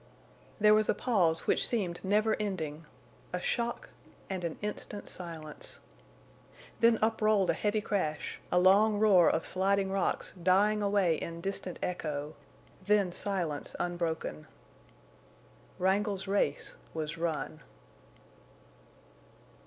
There was a pause which seemed never ending, a shock, and an instant's silence. Then up rolled a heavy crash, a long roar of sliding rocks dying away in distant echo, then silence unbroken. Wrangle's race was run.